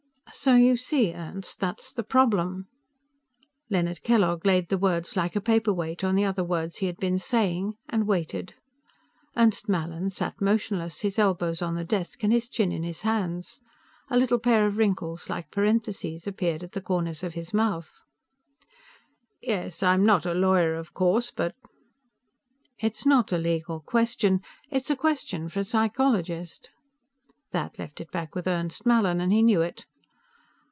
"So you see, Ernst, that's the problem." Leonard Kellogg laid the words like a paperweight on the other words he had been saying, and waited. Ernst Mallin sat motionless, his elbows on the desk and his chin in his hands. A little pair of wrinkles, like parentheses, appeared at the corners of his mouth. "Yes. I'm not a lawyer, of course, but...." "It's not a legal question. It's a question for a psychologist." That left it back with Ernst Mallin, and he knew it.